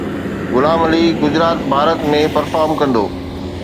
غلام Ali Gujarat, Bharat ۾ perform ڪندو